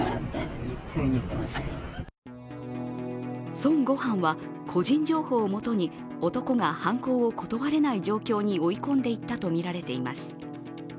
孫悟飯は個人情報をもとに男が犯行を断れない状況に追い込んでいったとみられています。